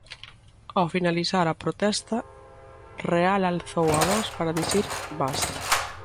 Ao finalizar a protesta, Real alzou a voz para dicir "basta".